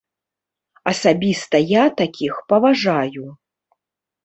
Асабіста я такіх паважаю.